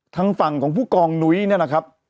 ทางฝั่งของผู้กองนุ้ยเนี่ยนะครับ